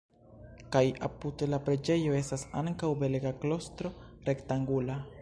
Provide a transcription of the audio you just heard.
Kaj apud la preĝejo estas ankaŭ belega klostro rektangula.